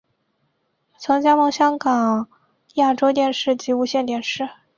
曾加盟香港亚洲电视及无线电视。